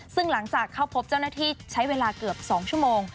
ซึ่งหลังจากเข้าพบเจ้าหน้าที่ใช้เวลาเกือบ๒ชั่วโมง